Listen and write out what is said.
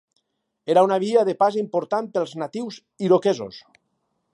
Era una via de pas important pels natius iroquesos.